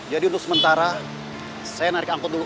jadi untuk sementara saya narik angkot dulu